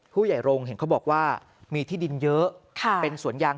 ผู้ใหญ่โรงเห็นเขาบอกว่ามีที่ดินเยอะเป็นสวนยาง